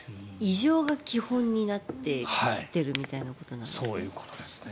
異常が基本になってきているみたいなことなんですか。